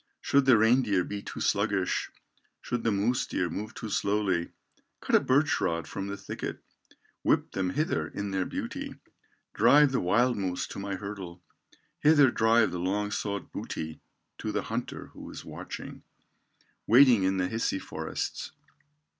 Should the reindeer be too sluggish, Should the moose deer move too slowly Cut a birch rod from the thicket, Whip them hither in their beauty, Drive the wild moose to my hurdle, Hither drive the long sought booty To the hunter who is watching, Waiting in the Hisi forests.